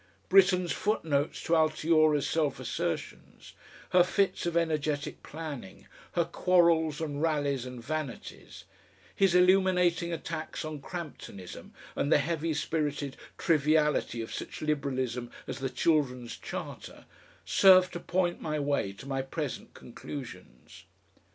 Britten's footnotes to Altiora's self assertions, her fits of energetic planning, her quarrels and rallies and vanities, his illuminating attacks on Cramptonism and the heavy spirited triviality of such Liberalism as the Children's Charter, served to point my way to my present conclusions.